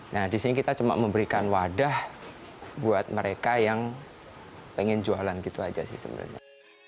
nah di sini kita cuma memberikan wadah buat mereka yang pengen jualan gitu aja sih sebenarnya